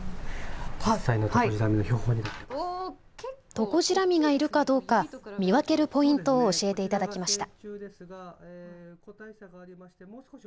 トコジラミがいるかどうか見分けるポイントを教えていただきました。